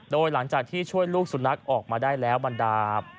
โดยหลังจากที่ช่วยลูกสุนัขออกมาได้แล้วบรรดา